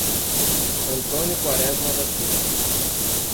Antônio Quaresma da Silva